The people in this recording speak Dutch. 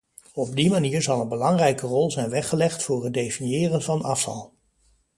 Op die manier zal een belangrijke rol zijn weggelegd voor het definiëren van afval.